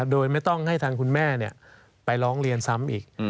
โดยไม่ต้องให้ทางคุณแม่ไปร้องเรียนซ้ำอีก